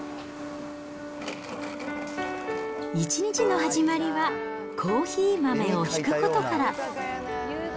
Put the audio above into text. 一日の始まりはコーヒー豆をひくことから。